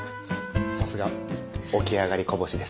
さすが起き上がりこぼしです。